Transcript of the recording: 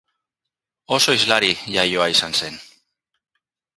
Oso hizlari iaioa izan zen.